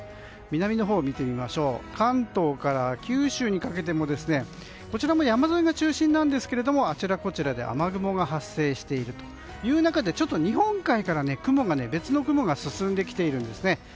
南のほうを見てみると関東から九州にかけてもこちらも山沿い中心ですがあちらこちらで雨雲が発生しているという中で日本海から別の雲が進んできているんですね。